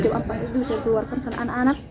udah bisa keluarkan anak anak